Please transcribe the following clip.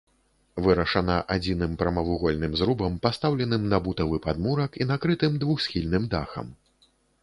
Вырашана адзіным прамавугольным зрубам, пастаўленым на бутавы падмурак і накрытым двухсхільным дахам.